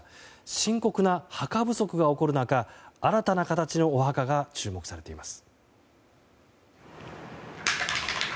深刻な墓不足が起こる中新たな形のお墓が注目されています。